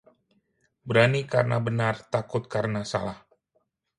Berani karena benar, takut karena salah